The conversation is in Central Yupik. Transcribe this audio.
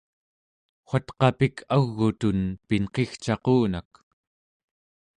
watqapik au͡g'utun pinqigcaqunak!